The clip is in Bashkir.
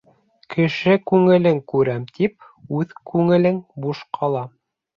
Кеше күңелен күрәм тип, үҙ күңелең буш ҡала.